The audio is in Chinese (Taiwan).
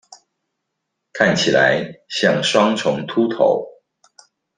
看起來像雙重禿頭